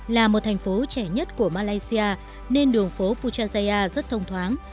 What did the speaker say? là một thành phố trẻ nhất của malaysia nên đường phố puchaya rất thông thoáng